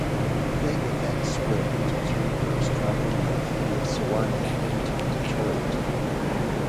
They would then split into three groups traveling north via Sewanee into Detroit.